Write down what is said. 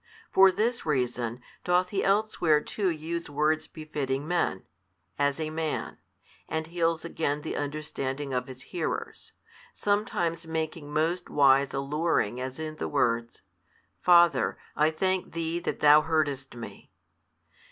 For this reason, doth He elsewhere too use words befitting men, as a Man, and heals again the understanding of His hearers, sometimes making most wise alluring as in the words, Father, I thank Thee that Thou heardest Me.